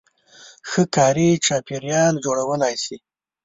-ښه کاري چاپېریال جوړولای شئ